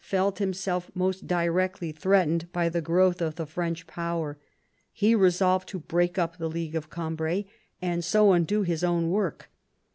felt himself most directly threatened by the growth of the French power. He resolved to break up the League of Gambrai, and so undo his own work.